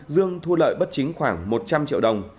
dương thu lợi bất chính khoảng một trăm linh triệu đồng